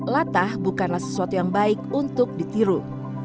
latah bukanlah sesuatu yang baik untuk ditiru